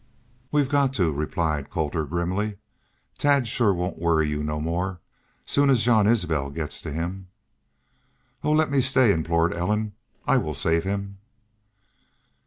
"We've got to," replied Colter, grimly. "Tad shore won't worry y'u no more soon as Jean Isbel gets to him." "Oh, let me stay," implored Ellen. "I will save him."